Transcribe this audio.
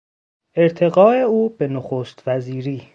ارتقا او به نخست وزیری